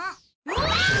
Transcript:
うわーっ！